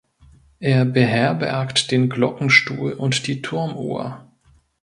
Er beherbergt den Glockenstuhl und die Turmuhr.